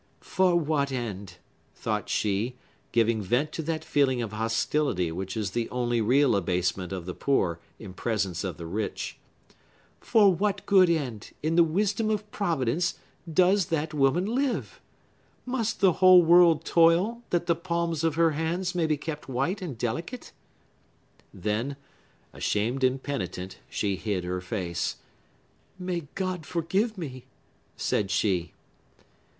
"For what end," thought she, giving vent to that feeling of hostility which is the only real abasement of the poor in presence of the rich,—"for what good end, in the wisdom of Providence, does that woman live? Must the whole world toil, that the palms of her hands may be kept white and delicate?" Then, ashamed and penitent, she hid her face. "May God forgive me!" said she.